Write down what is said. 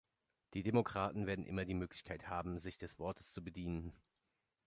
Die Demokraten werden immer die Möglichkeit haben, sich des Wortes zu bedienen.